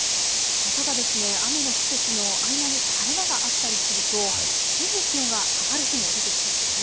ただ雨の季節の合間に晴れ間があったりすると、急に気温が上がる日も出てきます。